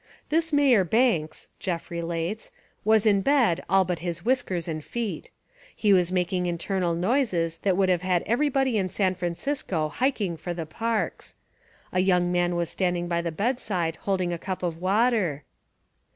... "This Mayor Banks," Jeff relates, "was In bed all but his whiskers and feet. He was making Internal noises that would have had everybody In San Francisco hiking for the parks. A young man was standing by the bedside holding a cup of water.